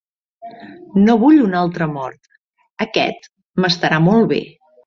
No vull una altra mort, aquest m'estarà molt bé.